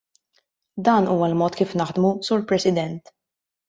Dan huwa l-mod kif naħdmu, Sur President.